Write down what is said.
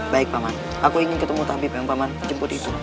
baik paman aku ingin ketemu tabib yang paman jemput itu